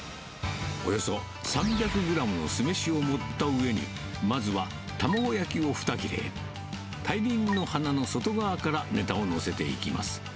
およそ３００グラムの酢飯を盛ったうえに、まずは卵焼きを２切れ、大輪の花の外側から、ネタを載せていきます。